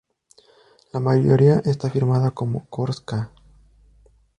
La mayoría está firmada como "Kors K".